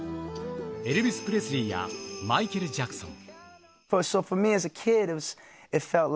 エルヴィス・プレスリーやマイケル・ジャクソン。